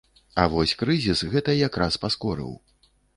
А вось крызіс гэта як раз паскорыў!